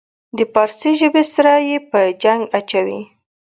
د پارسي ژبې سره یې په جنګ اچوي.